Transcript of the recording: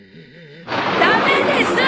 駄目です！